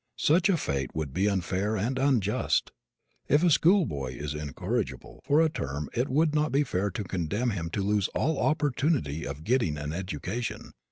Such a fate would be unfair and unjust. If a schoolboy is incorrigible for a term it would not be fair to condemn him to lose all opportunity of getting an education.